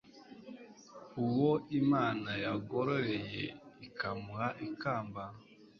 uwo imana yagororeye, ikamuha ikamba